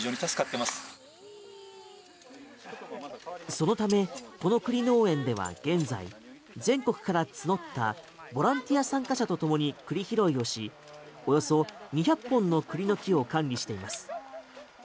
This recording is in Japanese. そのため、この栗農園では現在全国から募ったボランティア参加者とともに栗拾いをし、およそ２００本の栗の木を管理しています。